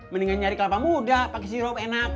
mendingan nyari kelapa muda pakai sirup enak